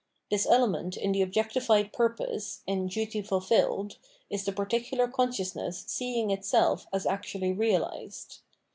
This element in the ob j ecti fied purpose, in duty fulfilled, is the particular conscious ness seeing itself as actually realised.